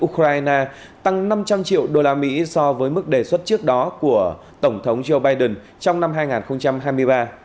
ukraine tăng năm trăm linh triệu đô la mỹ so với mức đề xuất trước đó của tổng thống joe biden trong năm hai nghìn hai mươi ba